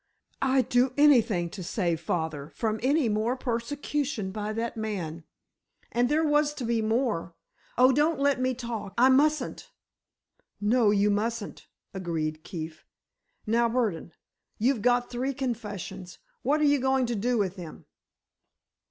I'd do anything to save father from any more persecution by that man! And there was to be more! Oh, don't let me talk! I mustn't!" "No, you mustn't," agreed Keefe. "Now, Burdon, you've got three confessions! What are you going to do with them?"